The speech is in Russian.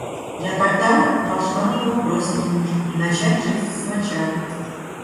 Я тогда должна была бросить мужа и начать жизнь с начала.